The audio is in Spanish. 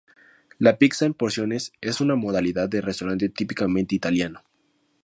La pizza en porciones es una modalidad de restaurante típicamente italiano.